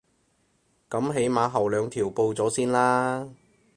噉起碼後兩條報咗先啦